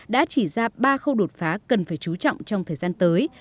đã chỉ ra ba khâu đột phá cần phải chú trọng trong thời gian tới